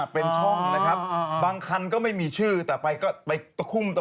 เป็นช่องนะครับบางคันก็ไม่มีชื่อแต่ไปก็ไปตะคุ่มตะ